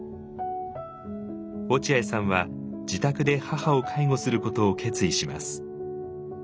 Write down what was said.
落合さんは自宅で母を介護することを決意します。